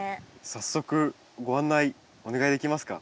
早速ご案内お願いできますか？